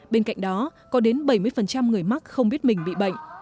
bên cạnh đó có đến bảy mươi người mắc không biết mình bị bệnh